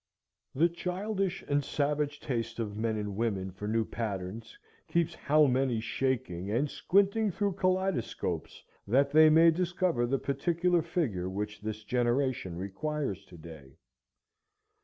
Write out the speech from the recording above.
The childish and savage taste of men and women for new patterns keeps how many shaking and squinting through kaleidoscopes that they may discover the particular figure which this generation requires today.